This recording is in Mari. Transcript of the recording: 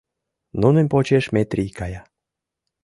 Нунын почеш Метрий кая.